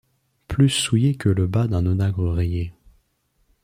Plus souillé que le bât d’un onagre rayé